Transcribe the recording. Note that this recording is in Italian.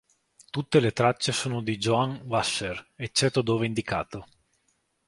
Tutte le tracce sono di Joan Wasser, eccetto dove indicato.